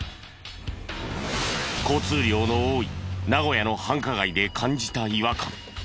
交通量の多い名古屋の繁華街で感じた違和感。